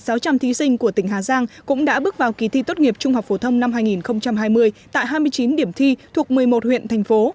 các thí sinh của tỉnh hà giang cũng đã bước vào kỳ thi tốt nghiệp trung học phổ thông năm hai nghìn hai mươi tại hai mươi chín điểm thi thuộc một mươi một huyện thành phố